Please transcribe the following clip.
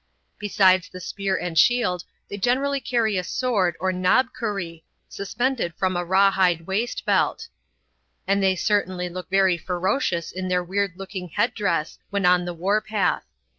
Besides the spear and shield they generally carry a sword or knobkerrie, suspended from a raw hide waist belt; and they certainly look very ferocious in their weird looking headdress when on the warpath.